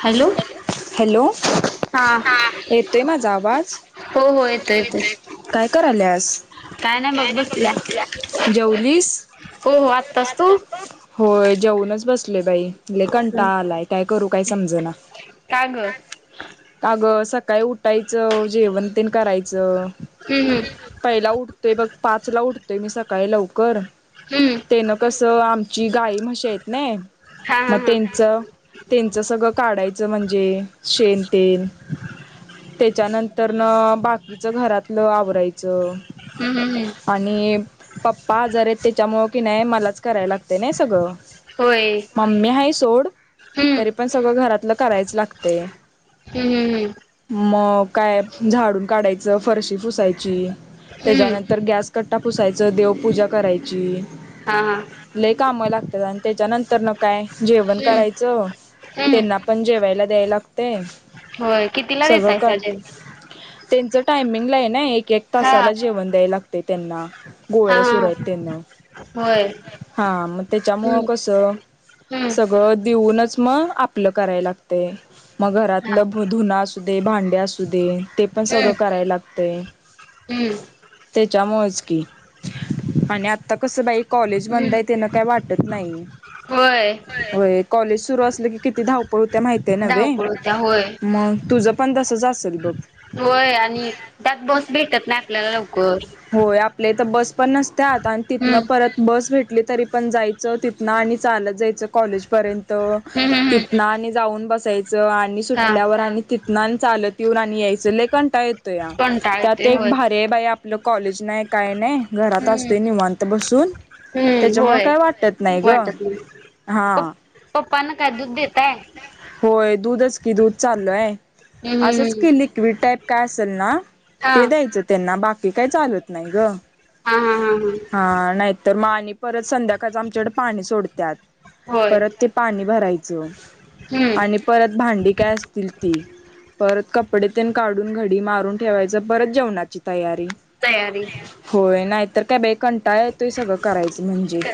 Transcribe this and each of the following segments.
Hello. Hello हा येतोय माझा आवाज. हो हो येतो येतोय. काय क आले आस. काय नाही बघ बसल्या. का जौलीस हो हो आत्तास तू होय जेऊनच बसले बाई कंटा आलाय काय करू काय समज ना. काांग काग सकाळी उठायचं जेवंतन करायचं. हम्म पहिला उठतोय बघ पाच ला उठतोय मी सकाळी लवकर. हम्म हम्म तेन कसं आमची गाय म्हशी येत ना हा हा मग हा त्यांच. त्यांचं सगळं काढायचं म्हणजे शेण तेल. त्याच्यानंतरन बाकीच घरातलं आवरायचं. हम् हम् हम् आणि पप्पा आजार आहेत त्याच्यामुळं की नाही मलाच करायला लागत नाही सगळं. होय. मम्मी आहे सोड हम्म तरी पण सगळं घरातलं करायचं लागत. ते हम्म हम्म मग काय झाडून काढायचं फरशी फुसायची हम्म हम्म त्याच्यानंतर गॅस कट्टा पुसायचं देवपूजा करायची. हा हा काम लागतात आणि त्याच्यानंतर न काय जेवण हम्म करायचं हम्म त्यांना पण जेवायला. द्याय लागते. होय कितीला सगळं देेतय कर सजे त्यांचं टायमिंग आहे ना एक एक हा तासाला जेवण द्याय लागते त्यांना हा हा गोळ्या सुर आहेत त्यांना होय हा मग त्याच्यामुळ हम्म कस हम्म सगळ. देऊनच मग आपलं कराय लागत म घरात हा भांडे्या असू दे ते पण हम्म सगळ कराय लागत. हम्म त्याच्यामज की आणि आता कस बाईक. कॉलेज हम्म बंद आहे तेना काय वाटत नाही. होय हो कॉलेज सुरू असलं की किती धावपळ. त्या माहित आहे नव् धावपळ होत्या होय. मग तुझं पण तसच असेल बघ. होय आणि त्यात बस भेटत ना आपल्याला लवकर. आपले तर बस पण नसत्यात आणि हम्म तिथनं परत बस भेट. तरी पण जायच तिथ आणि चालत जायच कॉलेज पर्यंत हम्म हम्म तिथ. हम्म जाऊन बसायचं आणि हा सुटल्यावर आणि तिथना चालत येऊन आणि यायचंक. कंटा येतो या कंटाळ त्यात येतोय एक होय. भार बाई आपलं कॉलेज नाही काय नाही घरात हम्म असतोय निवांत. त बासून हम्म होय वाटत नाही हा प पप्पना काय दूध देतय. होय दूधच की दूध चालू आहे असंच हम्म केली. ट्विट टाईप काय असेल ना. हा ते द्यायचं त्यांना बाकी काही चालत नाही ग हा हा हा हा नाही. तर मा आणि परत संध्याकाळ आमच्याकड पाणी सोडतात होय परत ते पाणी भरायचं. हम्म आणि परत भांडी काय असतील ती परत कपडे तेन काढून घडी मारून ठेवायचं परत जेवणाची तयारी तयारी होय नाही तर काय बाई कंटाळ येतोय सगळं करायचं म्हणजे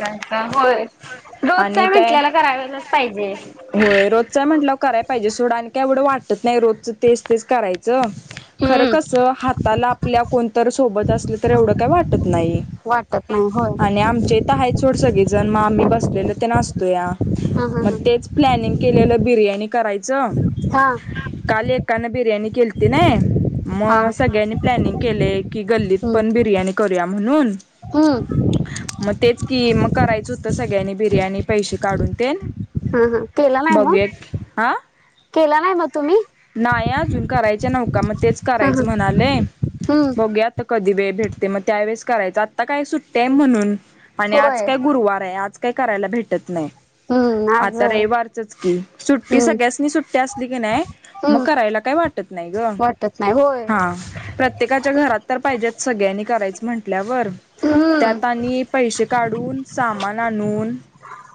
रोजच च आणि आहे काय म्हटल्याला करायलाच पाहिजे. होय रोजचाय म्हटलं कराय पाहिजे सोडा आण काही एवढं वाटत नाही रोजच तेच तेच करायचं. खरं हम्म कसं हाताला आपल्या कोण तर सोबत असलं तर एवढं काही वाटत नाही. वाटत नाही होय. आणि आमचे तर आहे सोड सगळे जण् मग आम्ही बसलेले ते नासतो या. हा हा हा प्लॅनिंग केलेलं बिर्याणी करायचं. हा हा काल एकान बिर्याणी केल्ती ना. हा मग सगळ्यांनी प्लॅनिंग केलेय की गल्लीत हम्म पण बिर्याणी करूया म्हणून हम्म मग तेच कि मग करायचं होतं सगळ्यांनी बिर्याणी पैसे काढून ते हा हा केला नाही मग बघुया की हा केला नाही मग त नाही अजून करायच नवका मग तेच हा हा करायचं म्हणाले हम्म बघु आता कधी वेळ भेटते मग त्यावेेळेस करायचं आत्ता काय सुट्टी हाय म्हणून आणि आज होय. काय गुरुवार आहे आज काय करायला भेटत नाही हम्म आज आता रविवार तेच की सुट्टी हम्म सगळ्यासनी सुट्टी असली की नाही मग हम्म करायला काय वाटत नाही ग वाटत नाही हो हा प्रत्येकाच्या घरात तर पाहिजेत सगळ्यांनी करायचं म्हंटल्यावर हम्म त्यात आणि पैसे काढून सामान आणून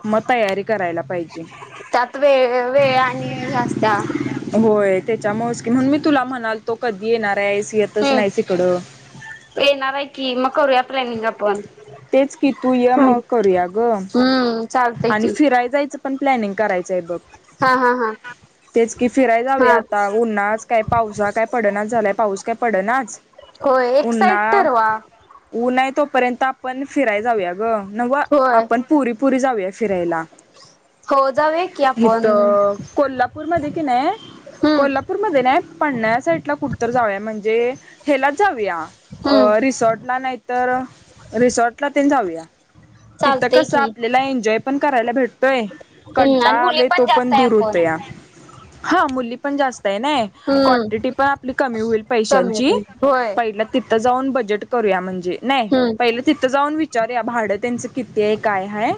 मग तयारी करायला पाहिजे त्यात वेळ वेळ आणि हे असत्या होय त्याच्यामुळे म्हणून मी तुला म्हणाल तो कधी येणार आहे एसी येतच हम्म. नाही इकड येणार आहे की मग करूया प्लॅनिंग आपण तेच की तू ये मग हम्म. करूया ग हम्म चालतय आणि की फिराय जायचं पण प्लॅनिंग करायचं हा हा हा हा तेच की फिराय हा जाऊया आता उन्हाच काय पावसा काय पडनाच झालाय पाऊस काय पडनाच होय एक्साईटर वा उन आहे तोपर्यंत आपण फिराय जाऊया ग नव्ह होय आपण पुरी पुरी जाऊया फिरायला हो जाऊया की इथ आपण कोल्हापूर पूरमध्ये कि नाही हम्म कोल्हापूरमध्ये नाही पन्हाळ्यासारख्याकुठं तर जाऊया म्हणजे हेलाच जाऊया अ हम्म रिसॉर्टला नाहीतर रिसॉर्टला ते जाऊया तिथं चालतय कस की आपल्याला एन्जॉय पण करायला भेटतोय हम्म आणि कंटाळ मुली तो पण जास्त आहे दूर आपण होतोय या हा मुली पण जास्त आहे ना हम्म काँटिटी पण आपली कमी होईल कमी येत पैशांची नाही होय पहिल तिथं जाऊन बजेट करूया म्हणजे नाही हम्म पहिले तिथं जाऊन विचारूया भाडं त्यांचं किती आहे काय ह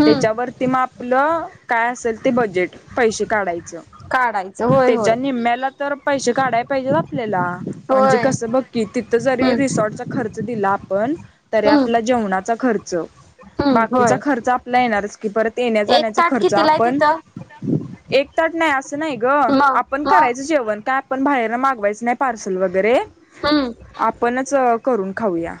हम्म त्याच्यावरती मग आपलं काय असेल ते बजेट पैसे काढायचं काढायचं होय त्येच्या होय निम्याला तर पैसे काढाय पाहिजेत आपल्याला म्हणजे होय कसं बघ कि तिथ जरी हम्म रिसॉर्टचा खर्च दिला आपण तरी हम्म आपला जेवणाचा खर्च हम्म होय येचा खर्च आपला येणारच की परत येण्या एक जाण्याचा ताट खर्च कितीला आहे आपण तिथं एक तट नाही असं नाही ग मग आपण करायचं मग जेवण काय पण बाहेरन मागवायचं नाही पार्सल वगैरे हम्म आपणच करून खाऊया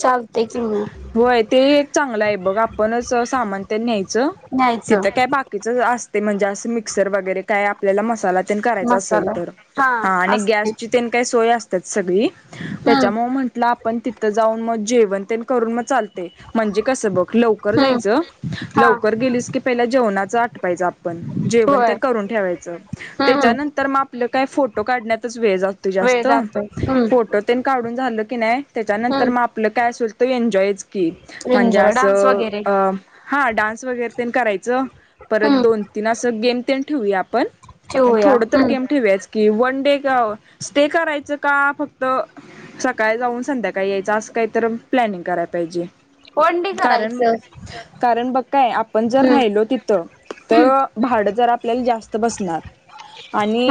चालते कि मग होय ते एक चांगलं आहे बघ आपणच सामान तेन न्यायचं न्यायचं तिथं काय बाकीच असते म्हणजे असं मिक्सर वगैरे काय आपल्याला मसाला ते करायचा असेल तर हां असते त्येंनी काय सोय असत्यात सगळी हम्म त्याच्या मूळ म्हंटलं आपण तिथं जाऊन म जेवण तेन करून म चालतय म्हणजे कसं बघ लवकर हम्म जायचं हा लवकर गेलीस की पहिला जेवणाच आटपायचं आपण जेवण होय तेन करून ठेवायच हम्म हम्म त्याच्यानंतर म आपलं काय फोटो काढण्यातच वेळ जातोय वेळ जास्त जातोय हम्म फोटो तेन काढून झालं की नाय त्याच्यानंतर मग हम्म आपलं काय असल तो एन्जॉयच की म्हणजे एन्जॉय डान्स असं वगैरे अ हा डान्स वगैरे तेन करायचं परत हम्म दोन तीन असं गेम तेन ठेवूया आपण अन ठेवूया थोडं तर हम्म गेम ठेवूयाच कि वन डे [unintelligible] स्टे करायचं का फक्त सकाळी जाऊन संध्याकाळी यायचं असं कायतर प्लॅनिंग कराय पाहिजे. वनडे कारण करायचं कारण बघ काय आपण जर हम्म राहिलो तिथं त हम्म भाड जरा आपल्याला जास्त बसणार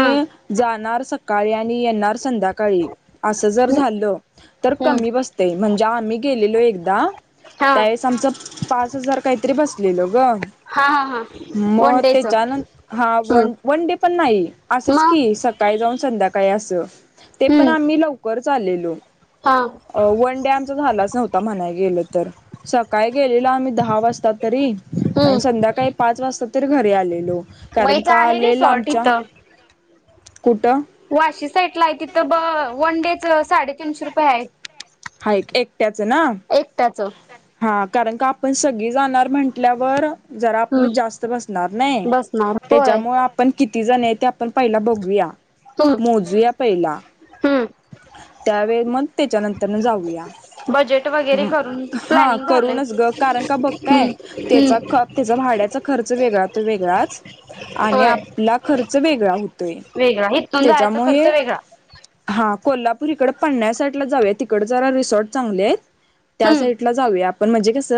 हा जाणार सका काळी आणि येणार संध्याकाळी असं जर हम्म झालं तर हम्म कमी बसतय म्हणजे आम्ही गेलेलो एकदा हा त्यावेळेस आमच पाच हजार काहीतरी बसलेल ग हा हा हा म वन डेच त्याच्यानं हा हम्म वन वन डे पण नाही, असंच मग की सकाळी जाऊन संध्याकाळी असं ते पण हम्म आम्ही लवकरच च आलेलो हा. अ वन डे आमचा झालाच नव्हता म्हणाय गेलं तर सकाळी गेलेलो आम्ही दहा वाजता तरी आणि हम्म संध्याकाळी पाच वाजता तरी घरी आलेलो मग कारण इथं का आहे लई रिसॉर्ट लामच्या, इथं कुठं? वाशी साईट ला आहे तिथं ब वन डे च साडेतीनशे रुपये हाय हाय एक एकट्याच ना एकट्याचं हा कारण का आपण सगळी जाणार म्हटंल्यावर जरा आपलं हम्म जास्त बसणार नई बसणार होय त्याच्यामुळ आपण किती जण आय त्या आपण पयला बघूया मोजूया पयला हम्म त्यावेळी मग त्याच्यानंतरन जाऊया बजेट वाई हम्म् हा करूनच ग कारण का बघ काय त्याचा ख [unintelligible] जा भाड्याचा खर्च वेगळा तो वेगळाच आणि होय आपला खर्च वेगळा हुतोय वेगळा हायत त्येच्यामुळ हे हा कोल्हापूर इकडं पन्या साईटला जाऊया तिकड जरा रिसॉर्ट चांगली आहेत त्या हम्म साइट टला जाऊया आपण म्हणजे कस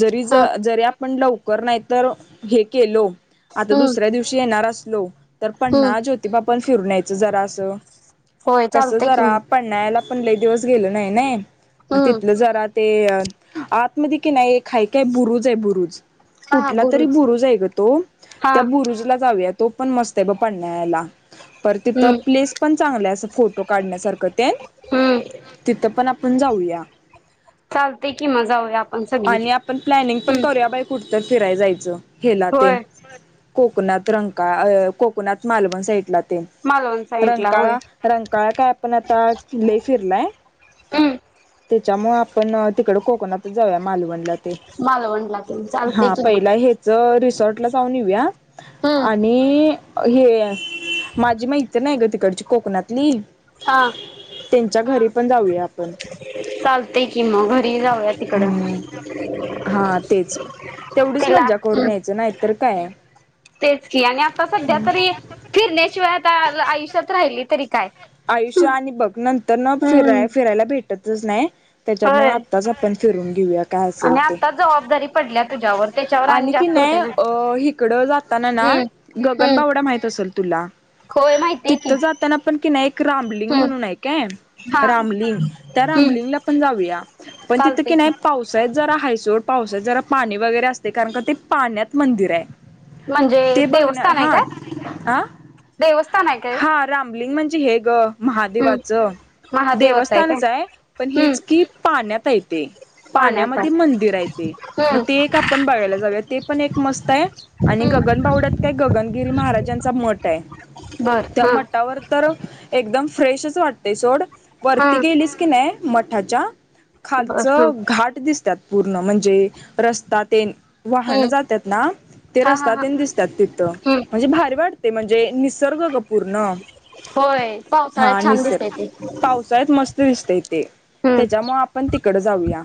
जरी ज हा जरी आपण लवकर नाही तर हे केलो आता हम्म दुसऱ्या दिवशी येणार असलो तर हम्म पन्हाळा, ज्योतिबा पण फिरून यायचं जरा असं होय कस चालतय की जरा मग पन्हाळ्याला पण लय दिवस गेलो नाही नई म हम्म तिथलं जरा ते आतमधी कि नाय एक हाय काय बुरुज हाय बुरुज हा हा कुठला तरी बुरुज हाय ग तो हा त्या बुरुजला जाऊया तो पण मस्त आहे ब पन्हाळ्याला पर तिथं हम्म प्लेस पण चांगलं अस फोटो काढण्यासारख तेन हम्म तिथ पण आप पण जाऊया चालतय कि मग जाऊया आपण सगळी आणि आपण प्लॅनिंग पण हम्म करूया बाई कुठतंर फिराय जायचं हेला तेन, होय बर कोकणात रंकाळ अ कोकणात मालवण साईटला तेन मालवण साईडला होय रंकाळा रंकाळा काय आपण आता लय फिरलाय हम्म. त्येच्यामुळ आपण तिकडं कोकणतच जाऊया मालवणला ते मालवणला तेन चालतय कि म च रिसॉर्ट ला जाऊन येऊया हम्म आणि हे माझी मैत्रीण आहे ग तिकडची कोकणातली हा. त्यांच्या घरी पण जाऊया आपण चालतय कि मग घरी जाऊया तिकडं हम्म हा तेच तेवढीच तिला मज्जा करून हम्म यायचं नाहीतर काय तेच की आणि आता सध्या तरी फिरण्याशिवाय आता आव आयुष्यात राहिलय तरी काय आयुष्य आणि बघ नंतरन हम्म फिराय फिरायला भेटतच नाही. त्याच्यामुळ होय आत्ताच आपण फिरून घेऊया काय असल आणि ते आता जबाबदारी पडल्या तुझ्यावर [unintelligible] त्याच्यावर आणि की जास्त नाय होते ना अ हिकडं जाताना ना, हम्म हम्म गगनबावडा माहीत असल तुला, होय माहितीय की तिथं जाताना पण कि नाही एक रामलिंग हम्म म्हणून आहे काय. हा रामलिंग, त्या हम्म रामलिंगला पण जाऊया, पण तिथं की नाही पा पावसाळ्यात जरा हायसोड पावसात जरा पाणी वगैरे असतय कारण का ते पाण्यात मंदिर आहे. म्हणजे ते बघण्या देवस्थान आहे हा काय आ, देवस्थान आहे काय हा. रामलिंग म्हणजे हे गं. हम्म महादेवाचं, महादेवाचं काय देवस्थानच आहे, पण हम्म हेच की पाण्यात आहे ते. पाण्यामध्ये मंदिर आहे ते, मग ते हम्म एक आपण बघायला जाऊया ते पण एक मस्त आहे. आणि हम्म गगनबावड्यात काय गगनगिरी महाराजांचा मठ आहे. बरं त्या हां. मठावर तर, एकदम फ्रेशच वाटतय सोड, वरती हा गेलीस की नाही मठाच्या. बर हा खालचं घाट दिसत्यात पूर्ण म्हणजे, रस्ता तेन. वाहनं हम्म जात्यात ना. ते हा हा हा रस्तातेन दिसत्यात तिथं, हम्म म्हणजे भारी वाटतंय म्हणजे निसर्ग ग पूर्ण. होय हा पावसाळ्यात छान निसर, दिसतय ते पावसाळ्यात मस्त दिसतय ते, हम्म त्याच्यामुळ आपण तिकडं जाऊया.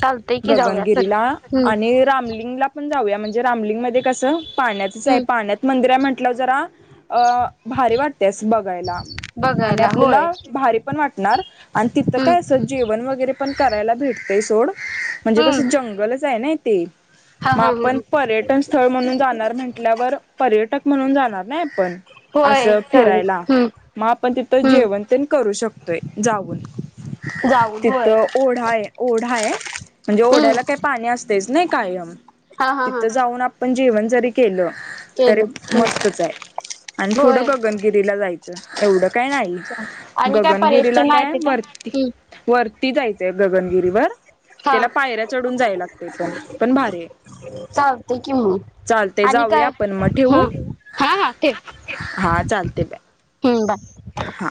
चालतंय की जाऊया चल गगनगिरीला, हम्म आणि रामलिंगला पण जाऊया म्हणजे रामलिंग मध्ये कसं पाण्यातच आहे हम्म पाण्यात मंदिर आहे म्हटल्यावर जरा, अ भारी वाटतंय असं बघायला. आणि बघायला होय आपल्याला भारी पण वाटणार, आणि तिथं हम्म काय असं जेवण वगैरे पण करायला भेटतय सोड म्हणजे कस हम्म जंगलच आहे नई. ते, हा म हा आपण हा पर्यटन स्थळ म्हणून जाणार म्हण म्हणल्यावर पर्यटक म्हणून जाणार नाही आपण, होय असं चल फिरायला. हम्म म आपण तिथं जेवण हम्म तेन करू शकतोय जाऊन. जाऊन होय तिथं ओढा आहे ओढा आहे, म्हणजे हम्म ओढ्याला काय पा पाणी असतयच नाही कायम, हा हा हा तिथं जाऊन आपण जेवण जरी केलं तरी केलं हम्म मस्तच आहे, आणि पुढं होय गगनगिरीला जायचं. एवढं काय नाही, आणि काय गगनगिरीला पर्यटन आहे काय तिथं वरती हम्म वरती जायचंय गगनगिरीवर. हा त्याला पायऱ्या चढून जाय लागतय पण पण भारी आहे. चालतंय की मग चालतंय आणि जाऊया काय आपण म हा ठेवू. हा हा हा चालतंय बाय. हम् बाय. हा.